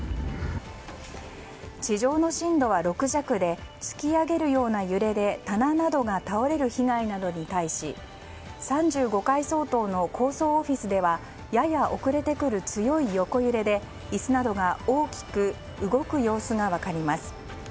地上の震度は６弱で突き上げるような揺れで棚などが倒れる被害なのに対し３５階相当の高層オフィスではやや遅れてくる強い横揺れで椅子などが大きく動く様子が分かります。